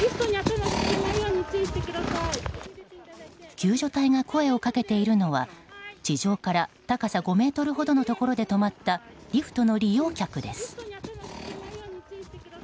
救助隊が声をかけているのは地上から高さ５ｍほどのところで止まったリフトの利用客です。